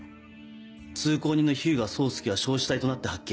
通行人の日向聡介は焼死体となって発見。